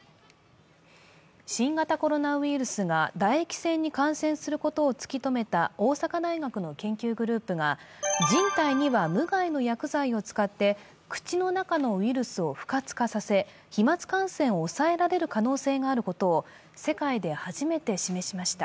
新型コロナウイルスが唾液腺に感染することを突き止めた大阪大学の研究グループが人体には無害の薬剤を使って口の中のウイルスを不活化させ飛まつ感染を抑えられる可能性があることを世界で初めて示しました。